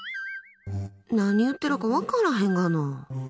何言ってるか分からへんがな。